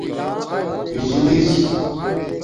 بجِلیس